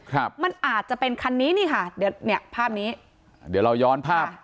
ครับมันอาจจะเป็นคันนี้นี่ค่ะเดี๋ยวเนี้ยภาพนี้อ่าเดี๋ยวเราย้อนภาพ